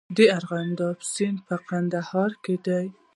د ارغنداب سیند په کندهار کې دی